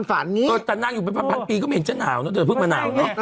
ไอ้แอ็งดิ๊บเหล้าหมด